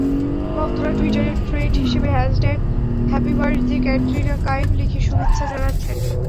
ভক্তরা টুইটারে ট্রেন্ড হিসেবে হ্যাসট্যাগ হ্যাপিবার্থডে ক্যাটরিনা কাইফ লিখে শুভেচ্ছা জানাচ্ছেন।